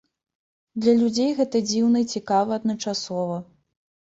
Для людзей гэта дзіўна і цікава адначасова.